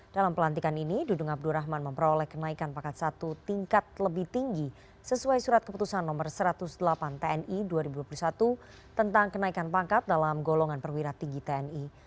dalam pelantikan ini dudung abdurrahman memperoleh kenaikan pakat satu tingkat lebih tinggi sesuai surat keputusan nomor satu ratus delapan tni dua ribu dua puluh satu tentang kenaikan pangkat dalam golongan perwira tinggi tni